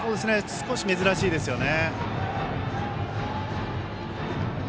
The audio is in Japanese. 少し珍しいですね。